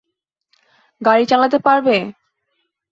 গাড়ি চালাতে পারবে?